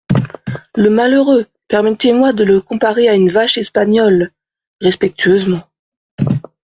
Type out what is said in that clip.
Le malheureux ! permettez-moi de le comparer à une vache espagnole… respectueusement !